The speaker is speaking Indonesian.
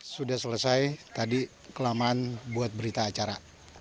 sudah selesai tadi kelamaan buat berita acara